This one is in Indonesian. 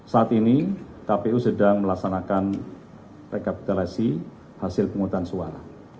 saat ini kpu sedang melaksanakan rekapitulasi hasil penghutang suara